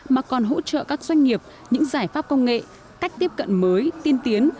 mà còn hỗ trợ các doanh nghiệp những giải pháp công nghệ cách tiếp cận mới tiên tiến